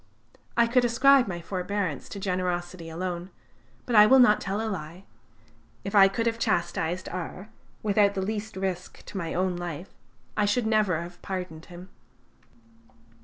I could ascribe my forbearance to generosity alone, but I will not tell a lie. If I could have chastised R without the least risk to my own life, I should never have pardoned him."